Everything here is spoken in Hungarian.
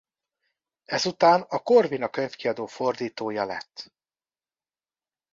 Ezután a Corvina Könyvkiadó fordítója lett.